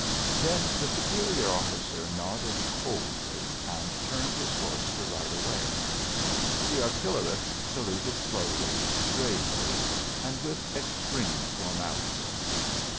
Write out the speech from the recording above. Then the superior officer nodded coldly and turned his horse to ride away. The artillerist saluted slowly, gravely, and with extreme formality.